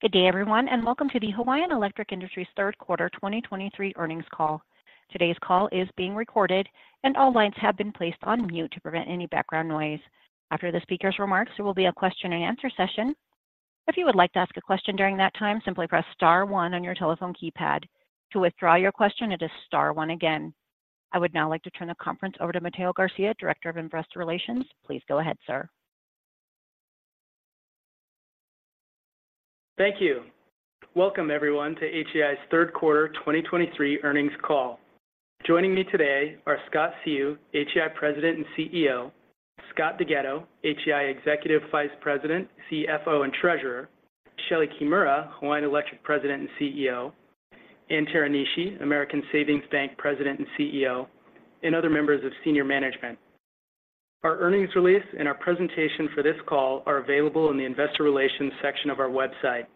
Good day, everyone, and welcome to the Hawaiian Electric Industries' third quarter 2023 earnings call. Today's call is being recorded, and all lines have been placed on mute to prevent any background noise. After the speaker's remarks, there will be a question-and-answer session. If you would like to ask a question during that time, simply press star one on your telephone keypad. To withdraw your question, it is star one again. I would now like to turn the conference over to Mateo Garcia, Director of Investor Relations. Please go ahead, sir. Thank you. Welcome, everyone, to HEI's third quarter 2023 earnings call. Joining me today are Scott Seu, HEI President and CEO; Scott DeGhetto, HEI Executive Vice President, CFO, and Treasurer; Shelee Kimura, Hawaiian Electric President and CEO; Ann Teranishi, American Savings Bank President and CEO; and other members of senior management. Our earnings release and our presentation for this call are available in the investor relations section of our website.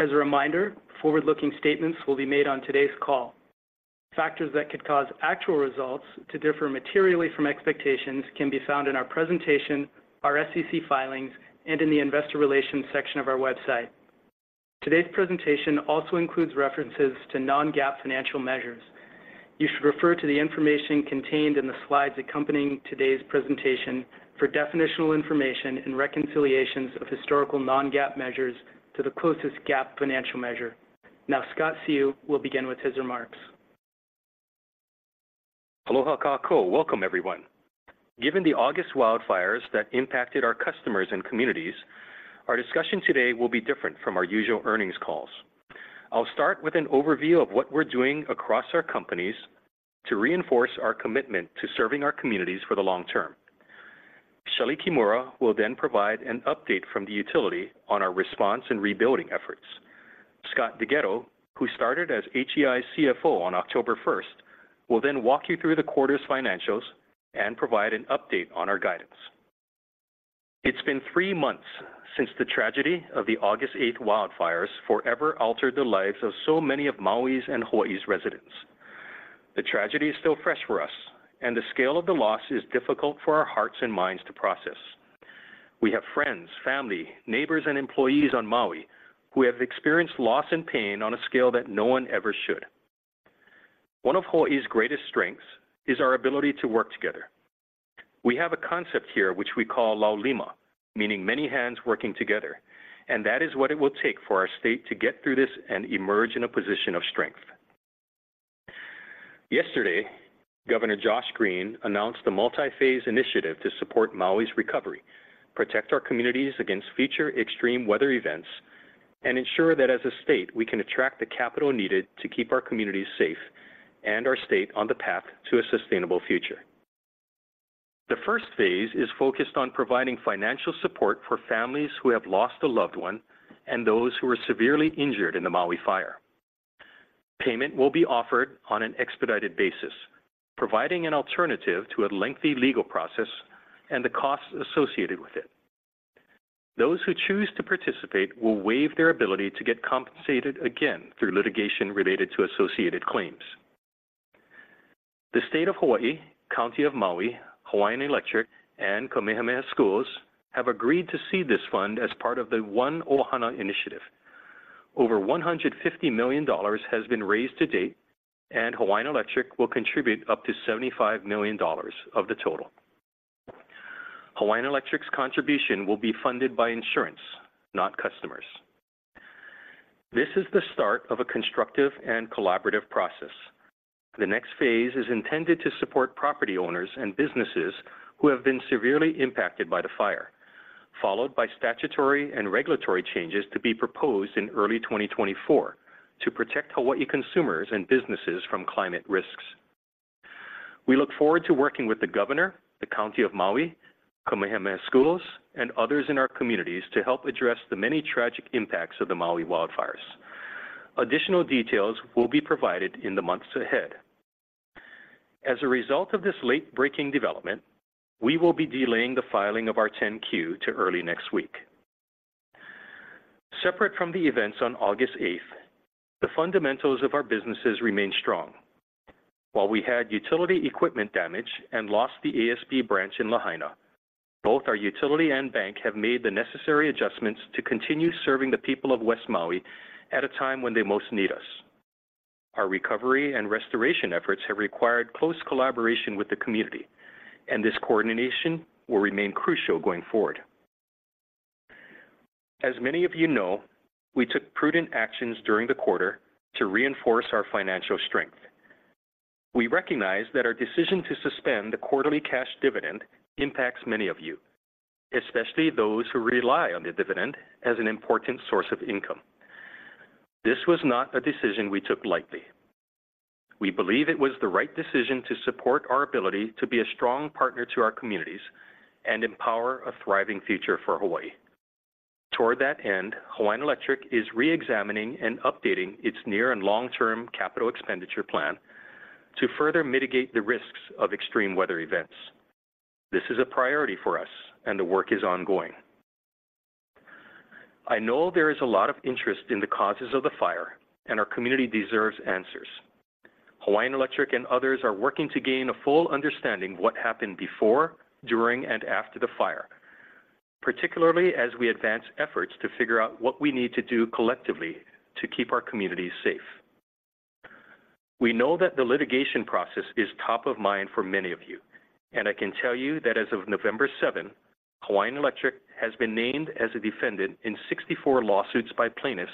As a reminder, forward-looking statements will be made on today's call. Factors that could cause actual results to differ materially from expectations can be found in our presentation, our SEC filings, and in the investor relations section of our website. Today's presentation also includes references to non-GAAP financial measures. You should refer to the information contained in the slides accompanying today's presentation for definitional information and reconciliations of historical non-GAAP measures to the closest GAAP financial measure. Now, Scott Seu will begin with his remarks. Aloha kakou. Welcome, everyone. Given the August wildfires that impacted our customers and communities, our discussion today will be different from our usual earnings calls. I'll start with an overview of what we're doing across our companies to reinforce our commitment to serving our communities for the long term. Shelee Kimura will then provide an update from the utility on our response and rebuilding efforts. Scott DeGhetto, who started as HEI CFO on October 1, will then walk you through the quarter's financials and provide an update on our guidance. It's been 3 months since the tragedy of the August 8 wildfires forever altered the lives of so many of Maui's and Hawaiʻi's residents. The tragedy is still fresh for us, and the scale of the loss is difficult for our hearts and minds to process. We have friends, family, neighbors, and employees on Maui who have experienced loss and pain on a scale that no one ever should. One of Hawaii's greatest strengths is our ability to work together. We have a concept here which we call laulima, meaning many hands working together, and that is what it will take for our state to get through this and emerge in a position of strength. Yesterday, Governor Josh Green announced a multi-phase initiative to support Maui's recovery, protect our communities against future extreme weather events, and ensure that as a state, we can attract the capital needed to keep our communities safe and our state on the path to a sustainable future. The first phase is focused on providing financial support for families who have lost a loved one and those who were severely injured in the Maui fire. Payment will be offered on an expedited basis, providing an alternative to a lengthy legal process and the costs associated with it. Those who choose to participate will waive their ability to get compensated again through litigation related to associated claims. The State of Hawaiʻi, County of Maui, Hawaiian Electric, and Kamehameha Schools have agreed to seed this fund as part of the One ʻOhana Initiative. Over $150 million has been raised to date, and Hawaiian Electric will contribute up to $75 million of the total. Hawaiian Electric's contribution will be funded by insurance, not customers. This is the start of a constructive and collaborative process. The next phase is intended to support property owners and businesses who have been severely impacted by the fire, followed by statutory and regulatory changes to be proposed in early 2024 to protect Hawaiʻi consumers and businesses from climate risks. We look forward to working with the Governor, the County of Maui, Kamehameha Schools, and others in our communities to help address the many tragic impacts of the Maui wildfires. Additional details will be provided in the months ahead. As a result of this late-breaking development, we will be delaying the filing of our Q10 to early next week. Separate from the events on August 8, the fundamentals of our businesses remain strong. While we had utility equipment damage and lost the ASB branch in Lāhainā, both our utility and bank have made the necessary adjustments to continue serving the people of West Maui at a time when they most need us. Our recovery and restoration efforts have required close collaboration with the community, and this coordination will remain crucial going forward. As many of you know, we took prudent actions during the quarter to reinforce our financial strength. We recognize that our decision to suspend the quarterly cash dividend impacts many of you, especially those who rely on the dividend as an important source of income. This was not a decision we took lightly. We believe it was the right decision to support our ability to be a strong partner to our communities and empower a thriving future for Hawaiʻi. Toward that end, Hawaiian Electric is reexamining and updating its near and long-term capital expenditure plan to further mitigate the risks of extreme weather events. This is a priority for us, and the work is ongoing. I know there is a lot of interest in the causes of the fire, and our community deserves answers. Hawaiian Electric and others are working to gain a full understanding of what happened before, during, and after the fire, particularly as we advance efforts to figure out what we need to do collectively to keep our communities safe. We know that the litigation process is top of mind for many of you, and I can tell you that as of November 7, Hawaiian Electric has been named as a defendant in 64 lawsuits by plaintiffs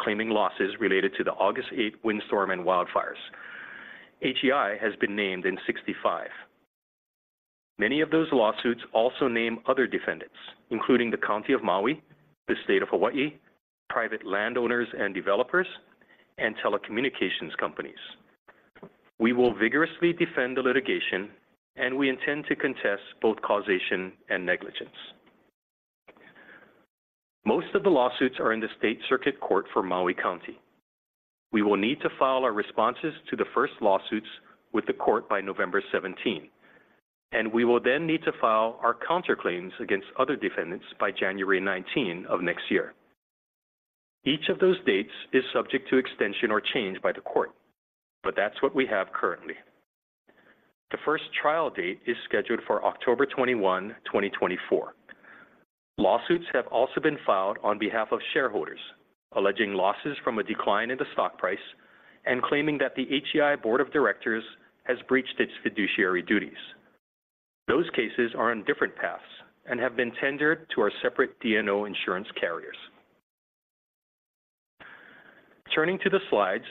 claiming losses related to the August 8 windstorm and wildfires. HEI has been named in 65. Many of those lawsuits also name other defendants, including the County of Maui, the State of Hawaiʻi, private landowners and developers, and telecommunications companies. We will vigorously defend the litigation, and we intend to contest both causation and negligence. Most of the lawsuits are in the State Circuit Court for Maui County. We will need to file our responses to the first lawsuits with the court by November 17, and we will then need to file our counterclaims against other defendants by January 19 of next year. Each of those dates is subject to extension or change by the court, but that's what we have currently. The first trial date is scheduled for October 21, 2024. Lawsuits have also been filed on behalf of shareholders, alleging losses from a decline in the stock price and claiming that the HEI Board of Directors has breached its fiduciary duties. Those cases are on different paths and have been tendered to our separate D&O insurance carriers. Turning to the slides,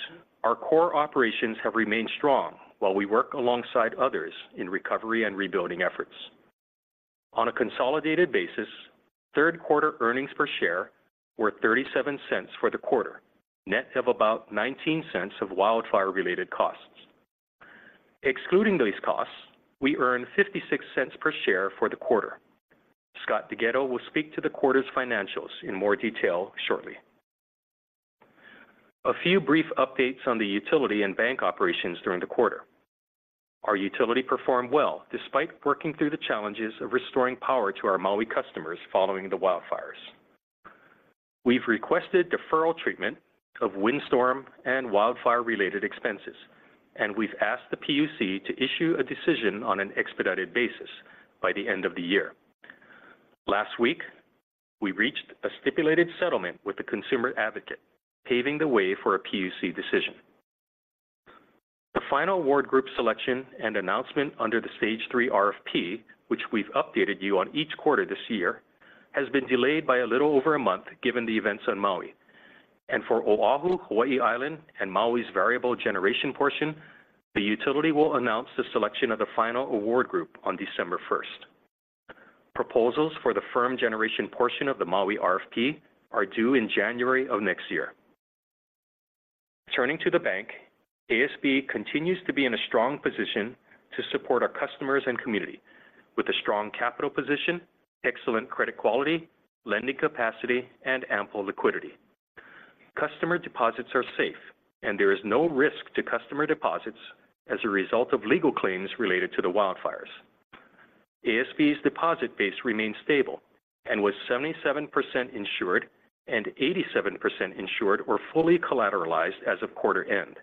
our core operations have remained strong while we work alongside others in recovery and rebuilding efforts. On a consolidated basis, third quarter earnings per share were $0.37 for the quarter, net of about $0.19 of wildfire-related costs. Excluding these costs, we earned $0.56 per share for the quarter. Scott DeGhetto will speak to the quarter's financials in more detail shortly. A few brief updates on the utility and bank operations during the quarter. Our utility performed well, despite working through the challenges of restoring power to our Maui customers following the wildfires. We've requested deferral treatment of windstorm and wildfire-related expenses, and we've asked the PUC to issue a decision on an expedited basis by the end of the year. Last week, we reached a stipulated settlement with the consumer advocate, paving the way for a PUC decision. The final award group selection and announcement under the Stage 3 RFP, which we've updated you on each quarter this year, has been delayed by a little over a month, given the events on Maui. For Oʻahu, Hawaiʻi Island, and Maui's variable generation portion, the utility will announce the selection of the final award group on December first. Proposals for the firm generation portion of the Maui RFP are due in January of next year. Turning to the bank, ASB continues to be in a strong position to support our customers and community with a strong capital position, excellent credit quality, lending capacity, and ample liquidity. Customer deposits are safe, and there is no risk to customer deposits as a result of legal claims related to the wildfires. ASB's deposit base remains stable and was 77% insured, and 87% insured or fully collateralized as of quarter end.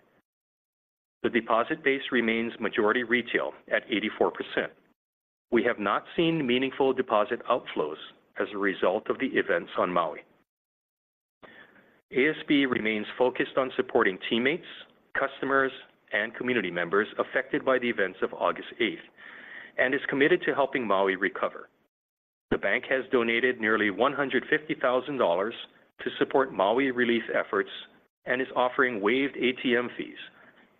The deposit base remains majority retail at 84%. We have not seen meaningful deposit outflows as a result of the events on Maui. ASB remains focused on supporting teammates, customers, and community members affected by the events of August 8 and is committed to helping Maui recover. The bank has donated nearly $150,000 to support Maui relief efforts and is offering waived ATM fees,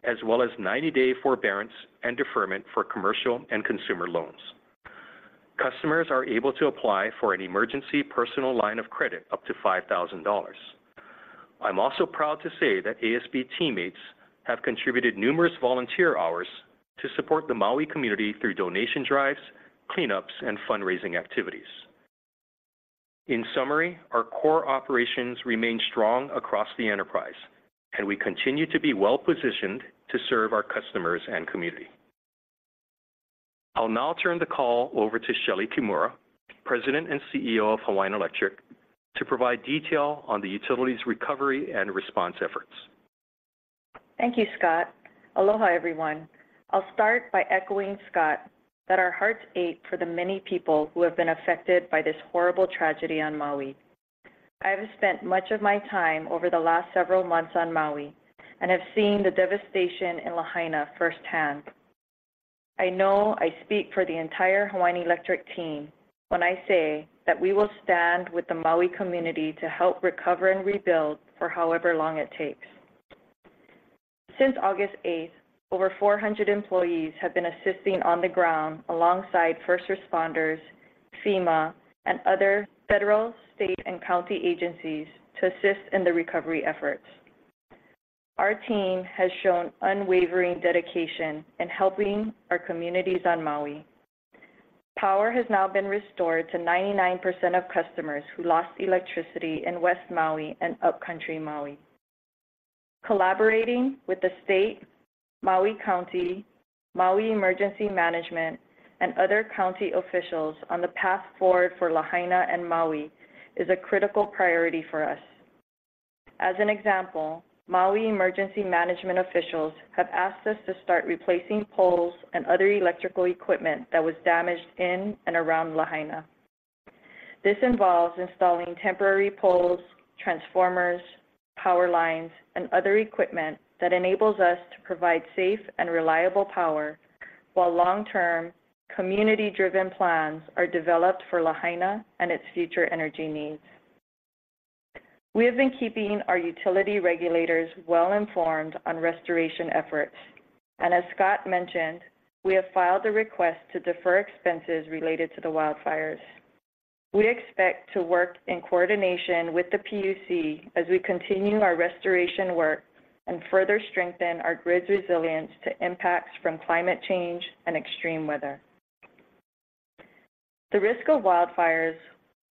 as well as 90-day forbearance and deferment for commercial and consumer loans. Customers are able to apply for an emergency personal line of credit up to $5,000. I'm also proud to say that ASB teammates have contributed numerous volunteer hours to support the Maui community through donation drives, cleanups, and fundraising activities. In summary, our core operations remain strong across the enterprise, and we continue to be well-positioned to serve our customers and community. I'll now turn the call over to Shelee Kimura, President and CEO of Hawaiian Electric, to provide detail on the utility's recovery and response efforts. Thank you, Scott. Aloha, everyone. I'll start by echoing Scott, that our hearts ache for the many people who have been affected by this horrible tragedy on Maui. I've spent much of my time over the last several months on Maui and have seen the devastation in Lahaina firsthand. I know I speak for the entire Hawaiian Electric team when I say that we will stand with the Maui community to help recover and rebuild for however long it takes. Since August eighth, over 400 employees have been assisting on the ground alongside first responders, FEMA, and other federal, state, and county agencies to assist in the recovery efforts. Our team has shown unwavering dedication in helping our communities on Maui. Power has now been restored to 99% of customers who lost electricity in West Maui and Upcountry Maui. Collaborating with the state, Maui County-... Maui Emergency Management and other county officials on the path forward for Lahaina and Maui is a critical priority for us. As an example, Maui Emergency Management officials have asked us to start replacing poles and other electrical equipment that was damaged in and around Lahaina. This involves installing temporary poles, transformers, power lines, and other equipment that enables us to provide safe and reliable power, while long-term, community-driven plans are developed for Lahaina and its future energy needs. We have been keeping our utility regulators well-informed on restoration efforts, and as Scott mentioned, we have filed a request to defer expenses related to the wildfires. We expect to work in coordination with the PUC as we continue our restoration work and further strengthen our grid's resilience to impacts from climate change and extreme weather. The risk of wildfires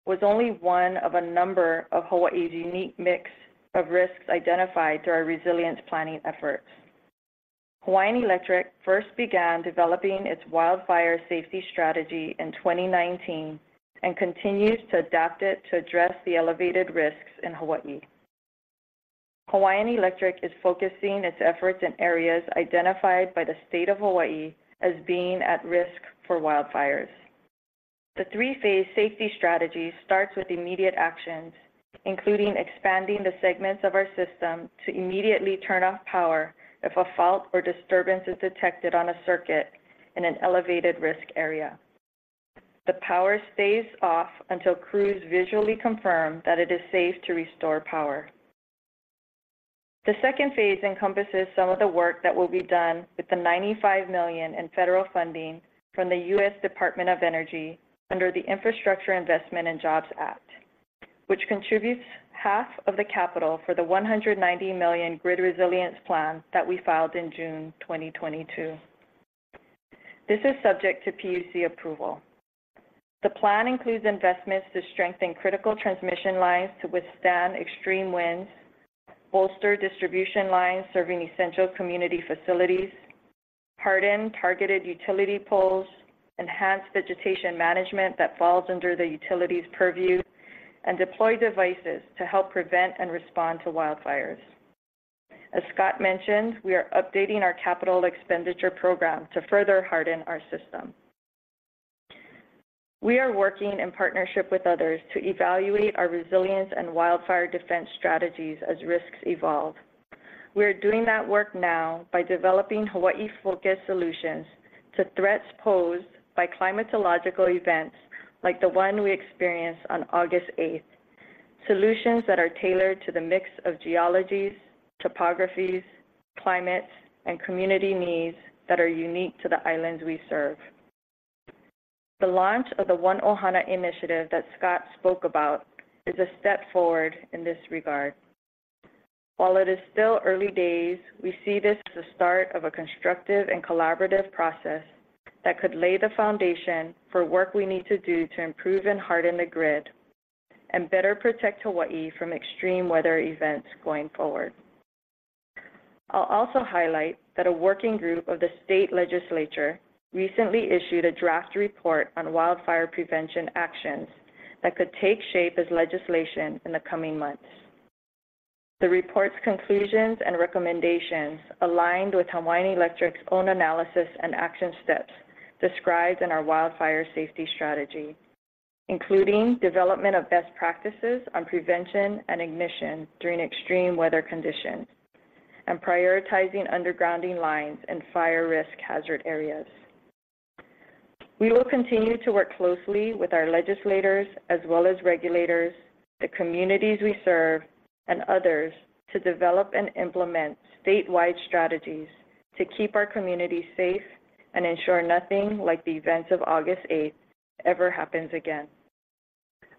was only one of a number of Hawaiʻi's unique mix of risks identified through our resilience planning efforts. Hawaiian Electric first began developing its wildfire safety strategy in 2019 and continues to adapt it to address the elevated risks in Hawaiʻi. Hawaiian Electric is focusing its efforts in areas identified by the state of Hawaiʻi as being at risk for wildfires. The three-phase safety strategy starts with immediate actions, including expanding the segments of our system to immediately turn off power if a fault or disturbance is detected on a circuit in an elevated risk area. The power stays off until crews visually confirm that it is safe to restore power. The second phase encompasses some of the work that will be done with the $95 million in federal funding from the U.S. Department of Energy under the Infrastructure Investment and Jobs Act, which contributes half of the capital for the $190 million grid resilience plan that we filed in June 2022. This is subject to PUC approval. The plan includes investments to strengthen critical transmission lines to withstand extreme winds, bolster distribution lines serving essential community facilities, harden targeted utility poles, enhance vegetation management that falls under the utility's purview, and deploy devices to help prevent and respond to wildfires. As Scott mentioned, we are updating our capital expenditure program to further harden our system. We are working in partnership with others to evaluate our resilience and wildfire defense strategies as risks evolve. We are doing that work now by developing Hawaiʻi-focused solutions to threats posed by climatological events like the one we experienced on August eighth. Solutions that are tailored to the mix of geologies, topographies, climates, and community needs that are unique to the islands we serve. The launch of the One ʻOhana Initiative that Scott spoke about is a step forward in this regard. While it is still early days, we see this as the start of a constructive and collaborative process that could lay the foundation for work we need to do to improve and harden the grid and better protect Hawaiʻi from extreme weather events going forward. I'll also highlight that a working group of the state legislature recently issued a draft report on wildfire prevention actions that could take shape as legislation in the coming months. The report's conclusions and recommendations aligned with Hawaiian Electric's own analysis and action steps described in our wildfire safety strategy, including development of best practices on prevention and ignition during extreme weather conditions and prioritizing undergrounding lines in fire risk hazard areas. We will continue to work closely with our legislators as well as regulators, the communities we serve, and others to develop and implement statewide strategies to keep our communities safe and ensure nothing like the events of August eighth ever happens again.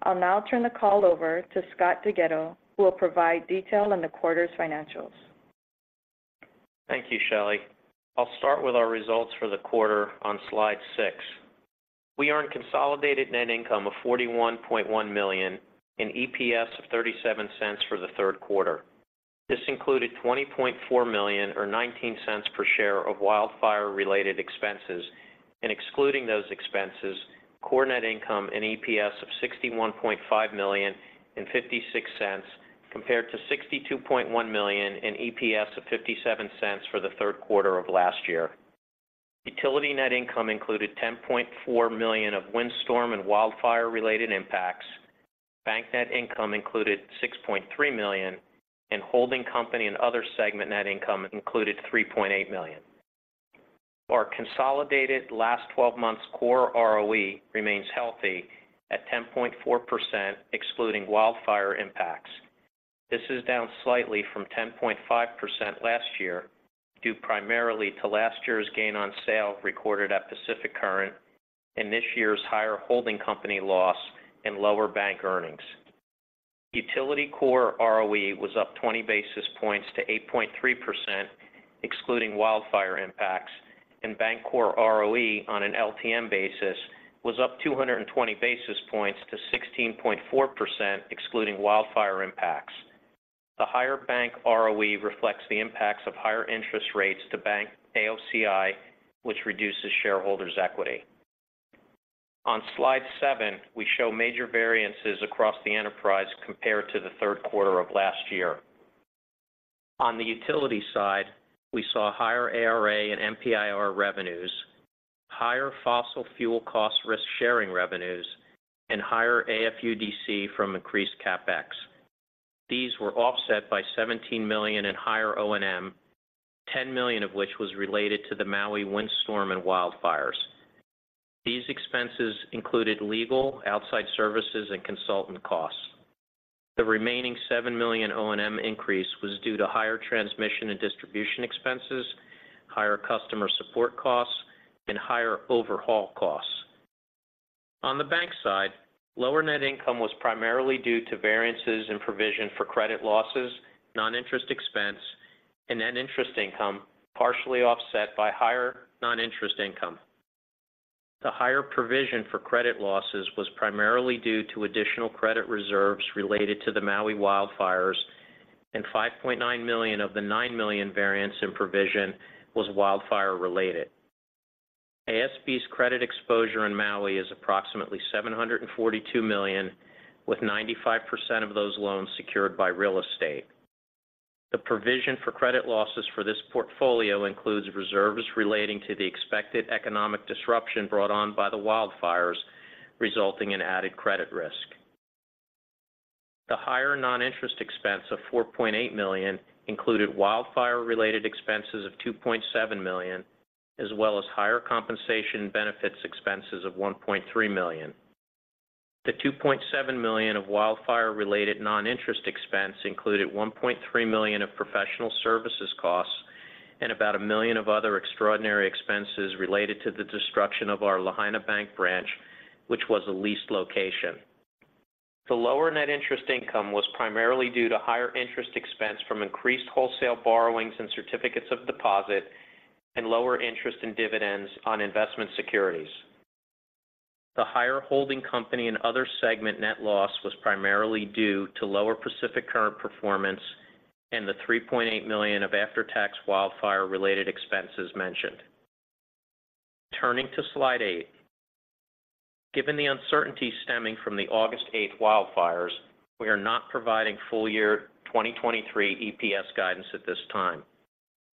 I'll now turn the call over to Scott DeGhetto, who will provide detail on the quarter's financials. Thank you, Shelee. I'll start with our results for the quarter on slide 6. We earned consolidated net income of $41.1 million and EPS of $0.37 for the third quarter. This included $20.4 million, or $0.19 per share, of wildfire-related expenses, and excluding those expenses, core net income and EPS of $61.5 million and $0.56, compared to $62.1 million and EPS of $0.57 for the third quarter of last year. Utility net income included $10.4 million of windstorm and wildfire-related impacts. Bank net income included $6.3 million, and holding company and other segment net income included $3.8 million. Our consolidated last twelve months core ROE remains healthy at 10.4%, excluding wildfire impacts. This is down slightly from 10.5% last year, due primarily to last year's gain on sale recorded at Pacific Current and this year's higher holding company loss and lower bank earnings. Utility core ROE was up 20 basis points to 8.3%, excluding wildfire impacts, and bank core ROE on an LTM basis was up 220 basis points to 16.4%, excluding wildfire impacts. The higher bank ROE reflects the impacts of higher interest rates to bank AOCI, which reduces shareholders' equity. On slide 7, we show major variances across the enterprise compared to the third quarter of last year. On the utility side, we saw higher ARA and MPIR revenues, higher fossil fuel cost risk-sharing revenues, and higher AFUDC from increased CapEx. These were offset by $17 million in higher O&M, $10 million of which was related to the Maui windstorm and wildfires. These expenses included legal, outside services, and consultant costs. The remaining $7 million O&M increase was due to higher transmission and distribution expenses, higher customer support costs, and higher overhaul costs. On the bank side, lower net income was primarily due to variances in provision for credit losses, non-interest expense, and net interest income, partially offset by higher non-interest income. The higher provision for credit losses was primarily due to additional credit reserves related to the Maui wildfires, and $5.9 million of the $9 million variance in provision was wildfire-related. ASB's credit exposure in Maui is approximately $742 million, with 95% of those loans secured by real estate. The provision for credit losses for this portfolio includes reserves relating to the expected economic disruption brought on by the wildfires, resulting in added credit risk. The higher non-interest expense of $4.8 million included wildfire-related expenses of $2.7 million, as well as higher compensation benefits expenses of $1.3 million. The $2.7 million of wildfire-related non-interest expense included $1.3 million of professional services costs and about $1 million of other extraordinary expenses related to the destruction of our Lahaina Bank branch, which was a leased location. The lower net interest income was primarily due to higher interest expense from increased wholesale borrowings and certificates of deposit and lower interest in dividends on investment securities. The higher holding company and other segment net loss was primarily due to lower Pacific Current performance and the $3.8 million of after-tax wildfire-related expenses mentioned. Turning to slide 8. Given the uncertainty stemming from the August 8 wildfires, we are not providing full year 2023 EPS guidance at this time.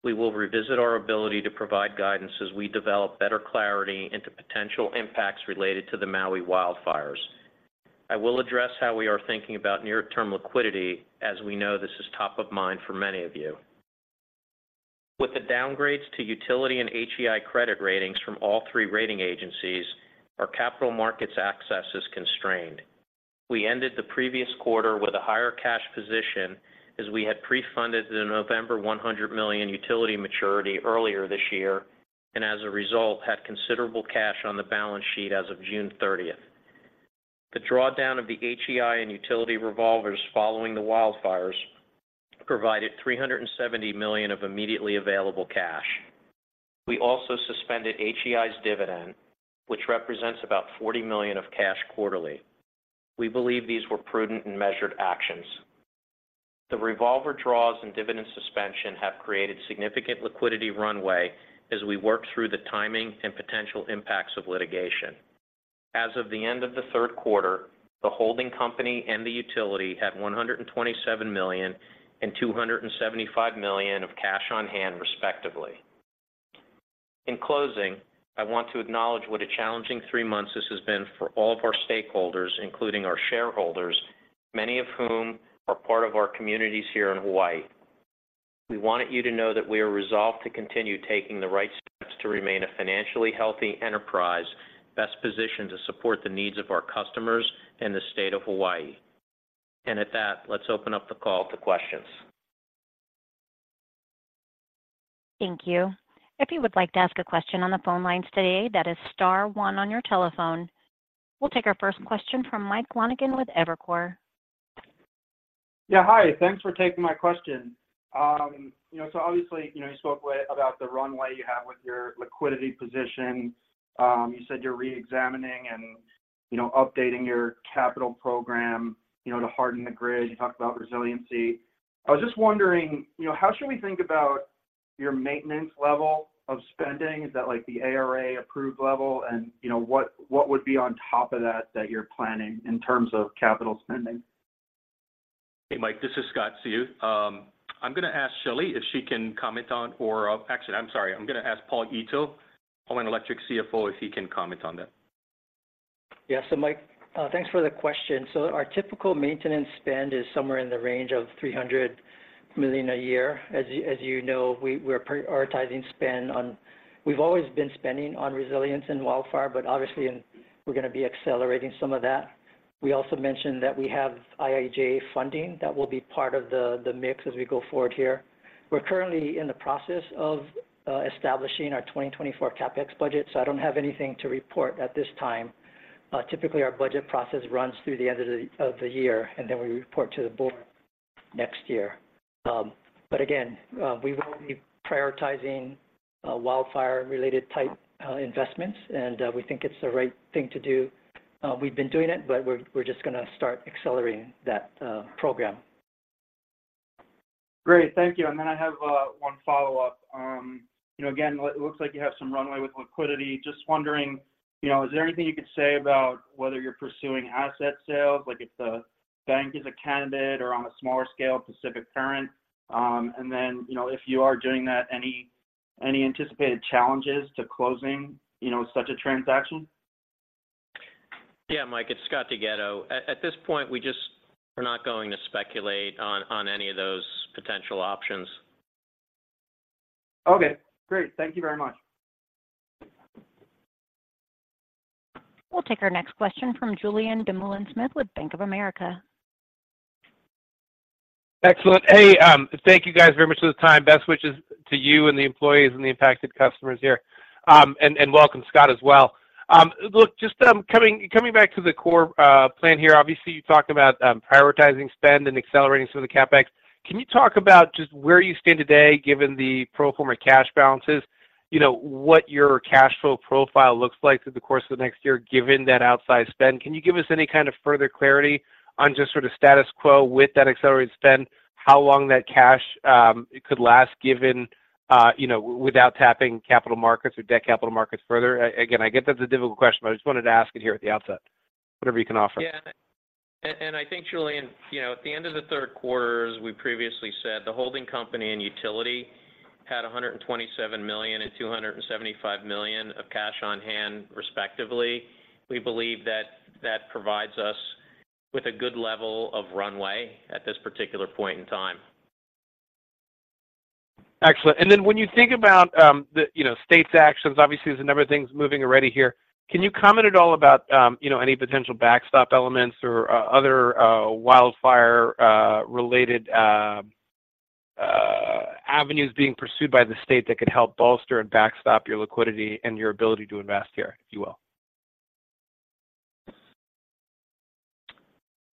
We will revisit our ability to provide guidance as we develop better clarity into potential impacts related to the Maui wildfires. I will address how we are thinking about near-term liquidity, as we know this is top of mind for many of you. With the downgrades to utility and HEI credit ratings from all three rating agencies, our capital markets access is constrained. We ended the previous quarter with a higher cash position as we had pre-funded the November $100 million utility maturity earlier this year, and as a result, had considerable cash on the balance sheet as of June 30. The drawdown of the HEI and utility revolvers following the wildfires provided $370 million of immediately available cash. We also suspended HEI's dividend, which represents about $40 million of cash quarterly. We believe these were prudent and measured actions. The revolver draws and dividend suspension have created significant liquidity runway as we work through the timing and potential impacts of litigation. As of the end of the third quarter, the holding company and the utility have $127 million and $275 million of cash on hand, respectively. In closing, I want to acknowledge what a challenging three months this has been for all of our stakeholders, including our shareholders, many of whom are part of our communities here in Hawaiʻi. We wanted you to know that we are resolved to continue taking the right steps to remain a financially healthy enterprise, best positioned to support the needs of our customers and the state of Hawaiʻi. At that, let's open up the call to questions. Thank you. If you would like to ask a question on the phone lines today, that is star one on your telephone. We'll take our first question from Mike Lonegan with Evercore. Yeah, hi. Thanks for taking my question. You know, so obviously, you know, you spoke about the runway you have with your liquidity position. You said you're reexamining and, you know, updating your capital program, you know, to harden the grid. You talked about resiliency. I was just wondering, you know, how should we think about your maintenance level of spending? Is that like the ARA approved level? And, you know, what would be on top of that, that you're planning in terms of capital spending? Hey, Mike, this is Scott Seu. I'm going to ask Shelee if she can comment on or, Actually, I'm sorry. I'm going to ask Paul Ito, Hawaiian Electric CFO, if he can comment on that. Yeah. So Mike, thanks for the question. So our typical maintenance spend is somewhere in the range of $300 million a year. As you know, we're prioritizing spend on... We've always been spending on resilience and wildfire, but obviously, and we're going to be accelerating some of that. We also mentioned that we have IIJA funding that will be part of the mix as we go forward here. We're currently in the process of establishing our 2024 CapEx budget, so I don't have anything to report at this time. Typically, our budget process runs through the end of the year, and then we report to the board next year.... but again, we will be prioritizing wildfire-related type investments, and we think it's the right thing to do. We've been doing it, but we're just gonna start accelerating that program. Great. Thank you. And then I have one follow-up. You know, again, it looks like you have some runway with liquidity. Just wondering, you know, is there anything you could say about whether you're pursuing asset sales, like if the bank is a candidate or on a smaller scale, Pacific Current? And then, you know, if you are doing that, any anticipated challenges to closing, you know, such a transaction? Yeah, Mike, it's Scott DeGhetto. At this point, we're not going to speculate on any of those potential options. Okay, great. Thank you very much. We'll take our next question from Julien Dumoulin-Smith with Bank of America. Excellent. Hey, thank you, guys, very much for the time. Best wishes to you and the employees and the impacted customers here. And welcome, Scott, as well. Look, just coming back to the core plan here, obviously, you talked about prioritizing spend and accelerating some of the CapEx. Can you talk about just where you stand today, given the pro forma cash balances, you know, what your cash flow profile looks like through the course of the next year, given that outsized spend? Can you give us any kind of further clarity on just sort of status quo with that accelerated spend, how long that cash could last, given you know, without tapping capital markets or debt capital markets further? Again, I get that's a difficult question, but I just wanted to ask it here at the outset. Whatever you can offer. Yeah. And I think, Julien, you know, at the end of the third quarter, as we previously said, the holding company and utility had $127 million and $275 million of cash on hand, respectively. We believe that that provides us with a good level of runway at this particular point in time. Excellent. When you think about the you know state's actions, obviously, there's a number of things moving already here. Can you comment at all about, you know, any potential backstop elements or other wildfire related avenues being pursued by the state that could help bolster and backstop your liquidity and your ability to invest here, if you will?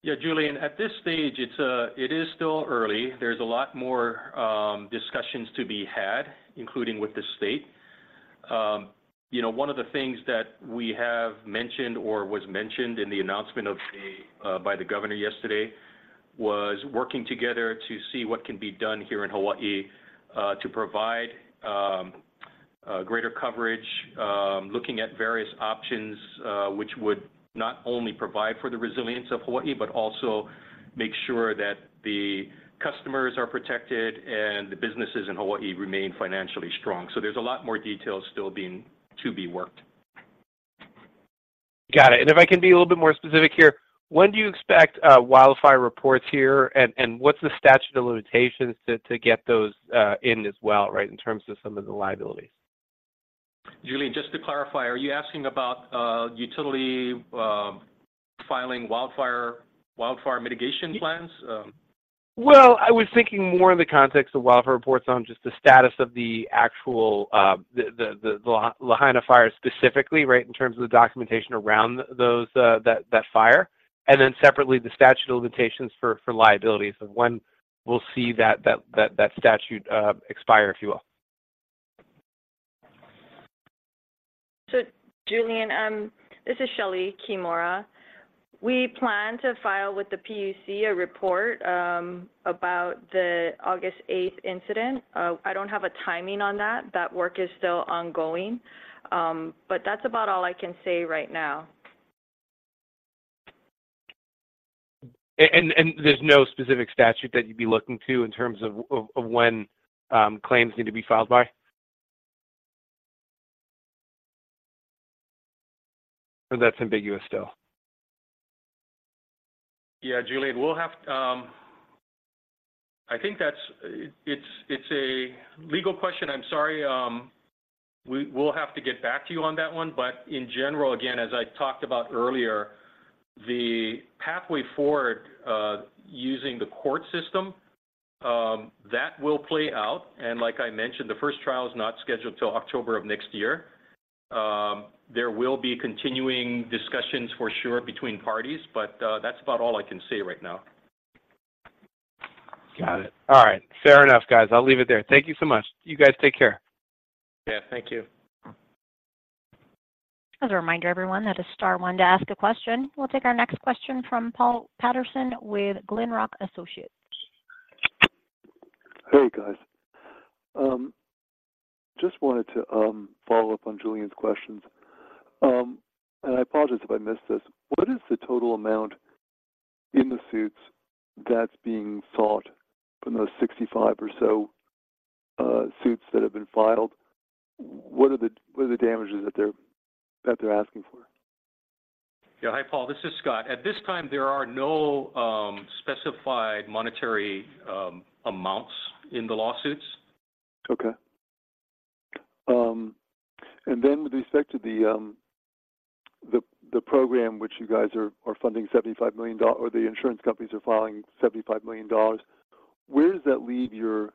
Yeah, Julien, at this stage, it is still early. There's a lot more discussions to be had, including with the state. You know, one of the things that we have mentioned or was mentioned in the announcement by the governor yesterday, was working together to see what can be done here in Hawaiʻi to provide greater coverage, looking at various options, which would not only provide for the resilience of Hawaiʻi, but also make sure that the customers are protected and the businesses in Hawaiʻi remain financially strong. So there's a lot more details still to be worked. Got it. If I can be a little bit more specific here, when do you expect wildfire reports here? And what's the statute of limitations to get those in as well, right, in terms of some of the liabilities? Julien, just to clarify, are you asking about utility filing wildfire mitigation plans? Well, I was thinking more in the context of wildfire reports on just the status of the actual Lahaina fire specifically, right? In terms of the documentation around those that fire, and then separately, the statute of limitations for liabilities, and when we'll see that statute expire, if you will. Julien, this is Shelee Kimura. We plan to file with the PUC a report about the August eighth incident. I don't have a timing on that. That work is still ongoing, but that's about all I can say right now. And there's no specific statute that you'd be looking to in terms of when claims need to be filed by? Or that's ambiguous still? Yeah, Julien, we'll have... I think that's a legal question. I'm sorry. We'll have to get back to you on that one. But in general, again, as I talked about earlier, the pathway forward using the court system that will play out, and like I mentioned, the first trial is not scheduled till October of next year. There will be continuing discussions for sure between parties, but that's about all I can say right now. Got it. All right. Fair enough, guys. I'll leave it there. Thank you so much. You guys take care. Yeah, thank you. As a reminder, everyone, that is star one to ask a question. We'll take our next question from Paul Patterson with Glenrock Associates. Hey, guys. Just wanted to follow up on Julien's questions. And I apologize if I missed this. What is the total amount in the suits that's being sought from those 65 or so suits that have been filed? What are the damages that they're asking for? Yeah. Hi, Paul. This is Scott. At this time, there are no specified monetary amounts in the lawsuits. Okay. And then with respect to the program, which you guys are funding $75 million—or the insurance companies are filing $75 million, where does that leave your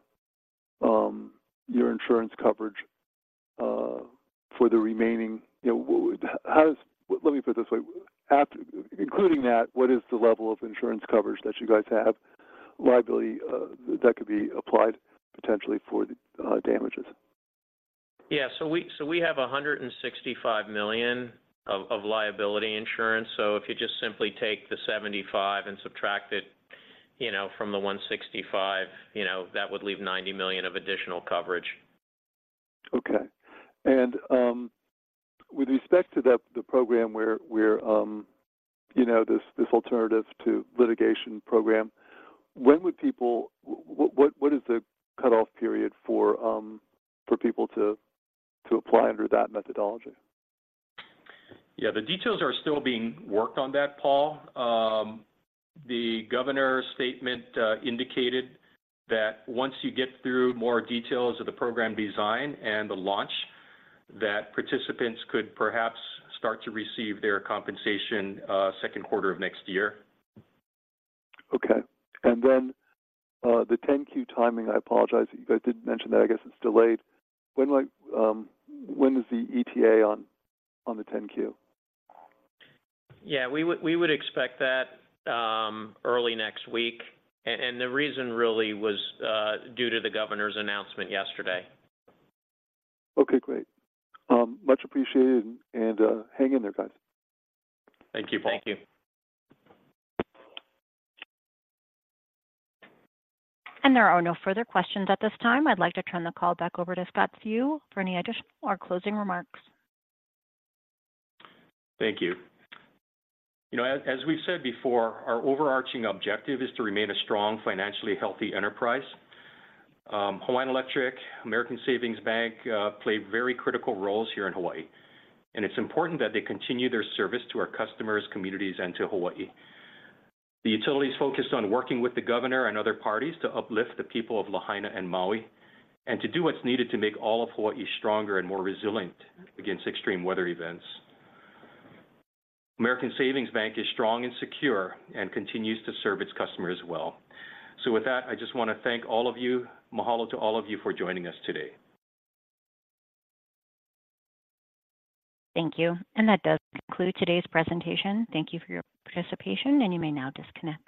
insurance coverage for the remaining, you know, how does—let me put it this way. After including that, what is the level of insurance coverage that you guys have, liability, that could be applied potentially for the damages? Yeah, so we have $165 million of liability insurance. So if you just simply take the $75 million and subtract it, you know, from the $165 million, you know, that would leave $90 million of additional coverage. Okay. And, with respect to the program where you know, this alternative to litigation program, when would people... What is the cutoff period for people to apply under that methodology? Yeah, the details are still being worked on that, Paul. The governor's statement indicated that once you get through more details of the program design and the launch, that participants could perhaps start to receive their compensation, second quarter of next year. Okay. And then, the Q10 timing, I apologize that you guys did mention that. I guess it's delayed. When, like, when is the ETA on the Q10? Yeah, we would, we would expect that early next week. And the reason really was due to the governor's announcement yesterday. Okay, great. Much appreciated, and hang in there, guys. Thank you, Paul. Thank you. There are no further questions at this time. I'd like to turn the call back over to Scott Seu for any additional or closing remarks. Thank you. You know, as we've said before, our overarching objective is to remain a strong, financially healthy enterprise. Hawaiian Electric, American Savings Bank play very critical roles here in Hawaiʻi, and it's important that they continue their service to our customers, communities, and to Hawaiʻi. The utility is focused on working with the governor and other parties to uplift the people of Lahaina and Maui, and to do what's needed to make all of Hawaiʻi stronger and more resilient against extreme weather events. American Savings Bank is strong and secure and continues to serve its customers well. So with that, I just want to thank all of you. Mahalo to all of you for joining us today. Thank you, and that does conclude today's presentation. Thank you for your participation, and you may now disconnect.